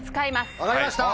分かりました。